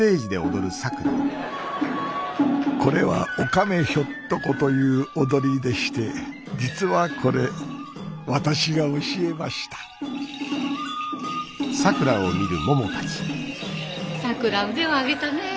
これはおかめひょっとこという踊りでして実はこれ私が教えましたさくら腕を上げたねえ。